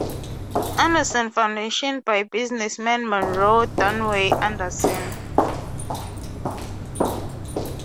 Anderson Foundation by businessman Monroe Dunaway Anderson.